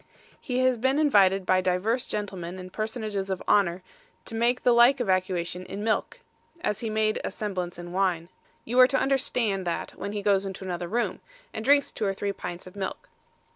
He has been invited by divers gentlemen and personages of honour to make the like evacuation in milk, as he made a semblance in wine. You are to understand that when he goes into another room, and drinks two or three pints of milk.